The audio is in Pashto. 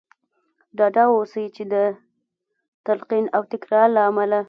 ډاډه اوسئ چې د تلقين او تکرار له امله.